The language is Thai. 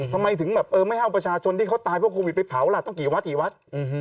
ทำไมถึงไม่ให้ประชาชนที่เขาตายเพราะโควิดไปเผาต้องกี่วัด